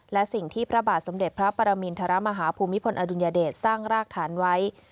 และสิ่งที่พระบาทสมเด็จพระปรมินทรมาฮาภูมิพลอดุลยเดชสร้างรากฐานไว้